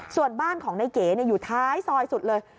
ส่วนบ้านของนายเก๋อยู่ท้ายซอยสุดเลย